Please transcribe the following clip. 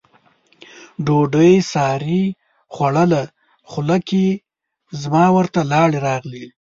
ډوډۍ سارې خوړله، خوله کې زما ورته لاړې راغلې.